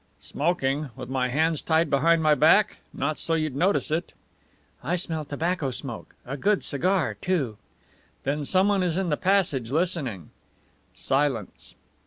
"Smoking, with my hands tied behind my back? Not so you'd notice it." "I smell tobacco smoke a good cigar, too." "Then someone is in the passage listening." Silence.